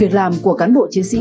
việc làm của cán bộ chiến sĩ